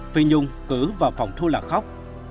phi nhung cứ vào phòng thu là khóc